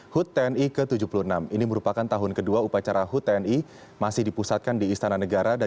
hut tni ke tujuh puluh enam ini merupakan tahun kedua upacara hut tni masih dipusatkan di istana negara dan